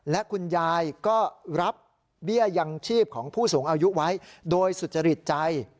และคุณยายก็รับเบี้ยยังชีพของผู้สูงอายุไว้โดยสุจริตใจ